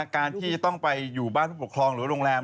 การที่จะต้องไปอยู่บ้านผู้ปกครองหรือโรงแรม